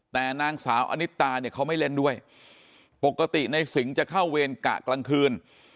แต่นางสาวอนิตาเนี่ยเขาไม่เล่นด้วยปกติในสิงห์จะเข้าเวรกะกลางคืน